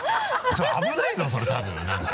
危ないぞそれ多分なんか。